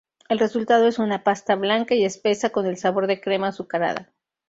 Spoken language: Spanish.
El resultado es una pasta blanca y espesa con el sabor de crema azucarada.